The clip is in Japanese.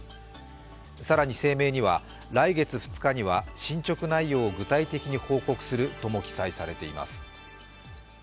更に声明には、来月２日には進捗内容を具体的に報告するとも記載されています。